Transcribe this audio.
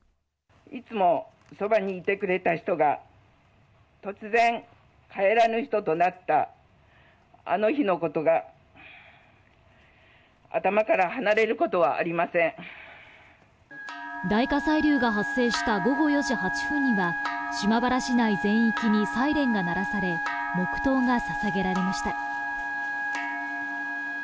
いつもそばにいてくれた人が、突然、帰らぬ人となったあの日のことが、大火砕流が発生した午後４時８分には、島原市内全域にサイレンが鳴らされ、黙とうがささげられました。